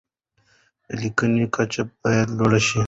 د لیکنو کچه باید لوړه شي.